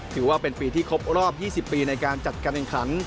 ถือว่าเป็นปีที่ครบรอบ๒๐ปีในการจัดการแห่งขัน